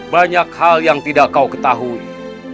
banyak hal yang tidak kau ketahui